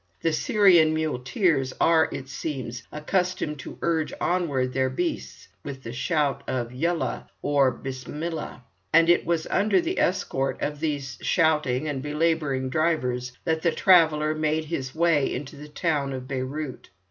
The Syrian muleteers are, it seems, accustomed to urge onward their beasts with the shout of "Yullah!" or "Bismillah!" and it was under the escort of these shouting and belabouring drivers that the traveller made his way into the town of Beyrout.